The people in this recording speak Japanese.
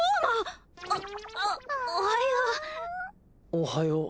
おはよう。